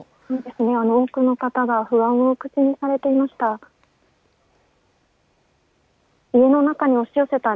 多くの方が不安を口にされていました。